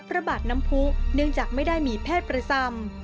ระบาดน้ำผู้เนื่องจากไม่ได้มีแพทย์ประจำ